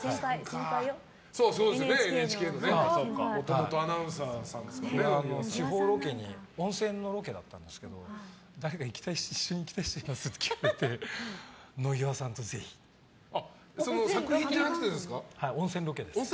もともとアナウンサーさんですから野際さん。地方ロケに温泉のロケだったんですけど誰か一緒に行きたい人いますって聞かれて作品じゃなくてですか。